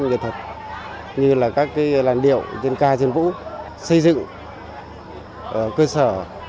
với các hình thức khác như là các biểu diễn nghệ thuật như là các làn điệu dân ca dân vũ xây dựng cơ sở